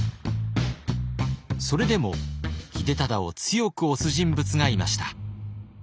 それでも秀忠を強く推す人物がいました。